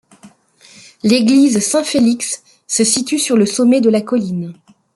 L'église Saint-Félix se situe sur le sommet de la colline.